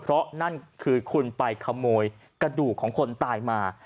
เพราะนั่นคือคุณไปขโมยกระดูกของคนตายมา